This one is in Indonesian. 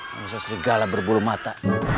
manusia serigala berburu mata